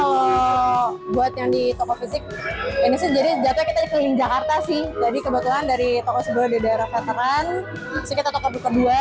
jadi kebetulan dari toko sebelah di daerah veteran terus kita toko kedua